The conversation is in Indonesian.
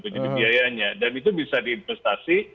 jadi biayanya dan itu bisa diinvestasi